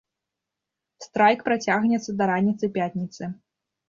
Страйк працягнецца да раніцы пятніцы.